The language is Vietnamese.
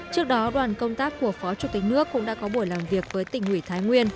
trước đó đoàn công tác của phó chủ tịch nước cũng đã có buổi làm việc với tỉnh ủy thái nguyên